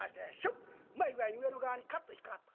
うまい具合に上の側にカッと引っ掛かった。